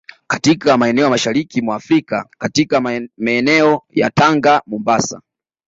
katika maeneo ya Mashariki mwa Afrika katika meeneo ya Tanga na Mombasa